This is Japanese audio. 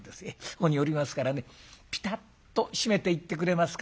ここにおりますからねピタッと閉めていってくれますか。